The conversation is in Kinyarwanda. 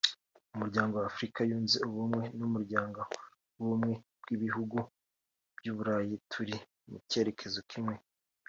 Umuryango wa Afurika Yunze Ubumwe n’Umuryango w’Ubumwe bw’Ibihugu by’Uburayi turi mu cyerekezo kimwe